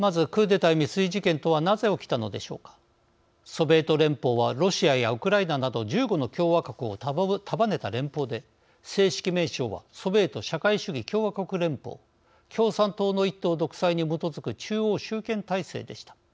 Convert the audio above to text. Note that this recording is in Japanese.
ソビエト連邦はロシアやウクライナなど１５の共和国を束ねた連邦で正式名称はソビエト社会主義共和国連邦共産党の一党独裁に基づく中央集権体制でした。